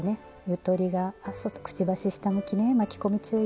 ゆとりがくちばし下向きね巻き込み注意ですよ。